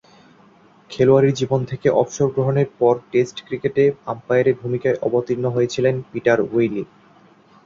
খেলোয়াড়ী জীবন থেকে অবসর গ্রহণের পর টেস্ট ক্রিকেটে আম্পায়ারের ভূমিকায় অবতীর্ণ হয়েছিলেন পিটার উইলি।